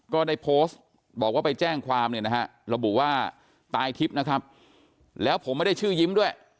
ก็ได้โพสต์บอกว่าไปแจ้งความเราบอกว่าตายคลิปนะครับแล้วผมไม่ได้ชื่อยิ้มด้วย